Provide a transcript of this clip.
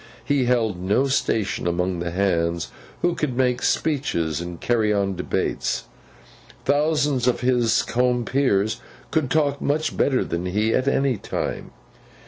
He held no station among the Hands who could make speeches and carry on debates. Thousands of his compeers could talk much better than he, at any time.